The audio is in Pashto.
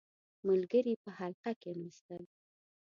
• ملګري په حلقه کښېناستل.